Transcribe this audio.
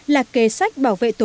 là kế sách bảo vệ tổ quốc việt nam